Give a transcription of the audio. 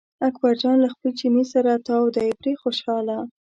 اکبر جان له خپل چیني سره تاو دی پرې خوشاله.